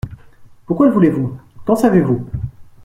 Pourquoi le voulez-vous ? qu’en savez-vous ?